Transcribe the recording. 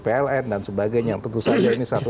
pln dan sebagainya tentu saja ini satu